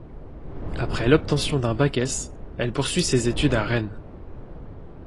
Après l'obtention d'un Bac S elle poursuit ses études à Rennes.